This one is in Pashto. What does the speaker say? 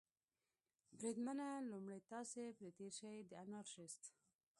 بریدمنه، لومړی تاسې پرې تېر شئ، د انارشیست.